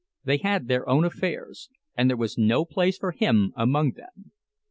They had their own affairs, and there was no place for him among them.